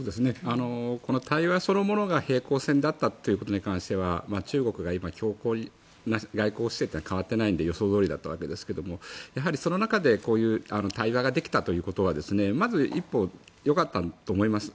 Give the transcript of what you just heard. この対話そのものが平行線だったということに関しては中国が今強硬な外交姿勢っていうのは変わってないので予想どおりだったわけですがやはり、その中でこういう対話ができたことはまず一歩よかったと思います。